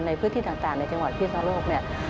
ในพื้นที่ต่างในจังหวัดพิษโลก